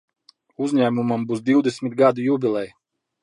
Uzņēmumam būs divdesmit gadu jubileja.